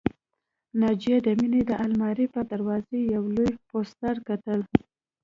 ناجیه د مينې د آلمارۍ پر دروازه یو لوی پوسټر کتل